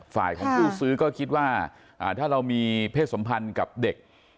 ฝ่ายของผู้ซื้อก็คิดว่าถ้าเรามีเพศสมพันธ์กับเด็ก